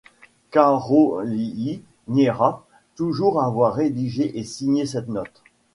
Károlyi niera toujours avoir rédigé et signé cette note.